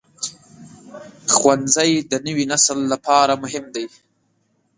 ښوونځی د نوي نسل لپاره مهم دی.